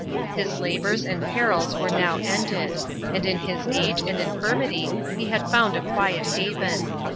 His labors and perils were now ended, and in his age and infirmity he had found a quiet haven.